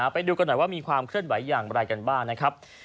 ไปดูกันหน่อยว่ามีความเคลื่อนไหวอย่างไรกันบ้างนะครับ